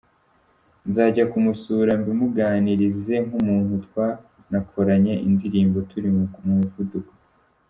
Nzajya kumusura mbimuganirize nk’umuntu twanakoranye indirimbo ‘Turi mu muvuduko’.